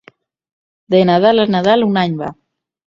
De Nadal a Nadal, un any va.